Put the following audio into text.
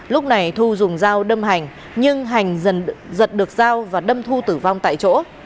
lúc này thu dùng dao đâm hành nhưng hành dần giật được giao và đâm thu tử vong tại chỗ